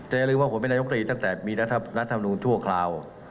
แต่อย่าลืมว่าผมเป็นนายกรีตั้งแต่มีรัฐธรรมนูลชั่วคราว